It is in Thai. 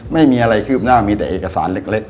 ไม่มีอะไรคืบหน้ามีแต่เอกสารเล็ก